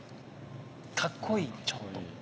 カッコイイちょっと。